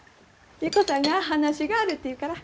優子さんが話があるって言うから。